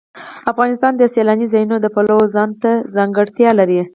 افغانستان د سیلانی ځایونه د پلوه ځانته ځانګړتیا لري.